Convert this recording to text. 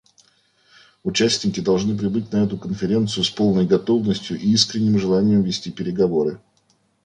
Участники должны прибыть на эту конференцию с полной готовностью и искренним желанием вести переговоры.